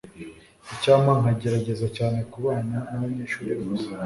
icyampa nkagerageza cyane kubana nabanyeshuri bose